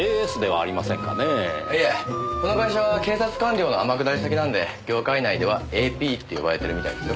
いえこの会社は警察官僚の天下り先なんで業界内ではＡＰって呼ばれてるみたいですよ。